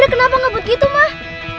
kenapa ngebut gitu mah